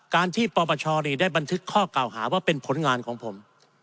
การที่ปปชได้บันทึกข้อกล่าวหาว่าเป็นผลงานของผม